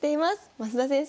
増田先生